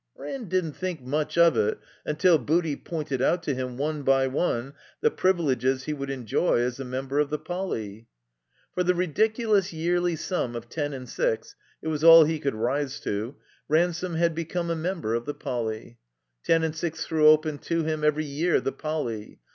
Ran didn't think much of it tmtil Booty pointed out to him, one by one, the privileges he wotdd enjoy as a member of the Poly. For the ridiculous yearly sum of ten and six (it was all he could rise to) Ransome had become a member of the Poly. Ten and six threw open to him every year the Poly.